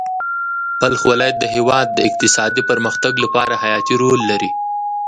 بلخ ولایت د هېواد د اقتصادي پرمختګ لپاره حیاتي رول لري.